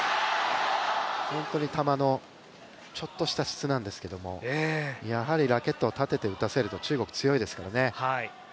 球のちょっとした質なんですけども、やはりラケットを立てて打たせると中国は強いですからね。